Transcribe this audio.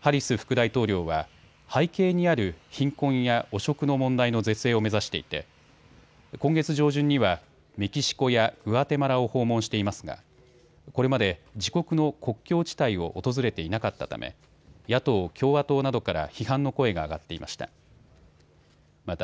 ハリス副大統領は背景にある貧困や汚職の問題の是正を目指していて今月上旬にはメキシコやグアテマラを訪問していますがこれまで自国の国境地帯を訪れていなかったため野党共和党などから批判の声が上がっていました。